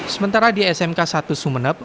sementara di smk satu sumeneb